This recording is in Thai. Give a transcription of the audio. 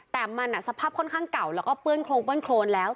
แต่มันสภาพค่อนข้างเก่าแล้วก็เปื้อนโครงเปื้อนโครนแล้ว